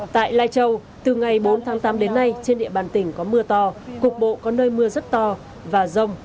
tại lai châu từ ngày bốn tháng tám đến nay trên địa bàn tỉnh có mưa to cục bộ có nơi mưa rất to và rông